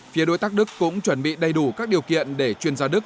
phía đối tác đức cũng chuẩn bị đầy đủ các điều kiện để chuyên gia đức